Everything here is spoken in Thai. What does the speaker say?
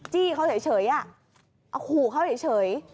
จี้เขาเฉยเอาขู่เขาเฉย